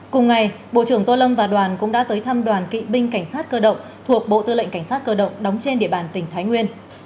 cùng ngày bộ trưởng tô lâm và đoàn cũng đã tới thăm đoàn kỵ binh cảnh sát cơ động thuộc bộ tư lệnh cảnh sát cơ động đóng trên địa bàn tỉnh thái nguyên